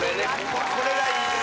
・これがいいのよ・